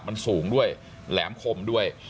มันสูงด้วยแหลมคมด้วย